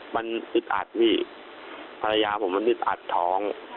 มันอึดอัดพี่ภรรยาผมมันอึดอัดท้อง